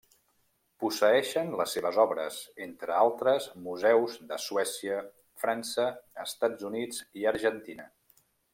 Posseeixen les seves obres, entre altres, museus de Suècia, França, Estats Units i Argentina.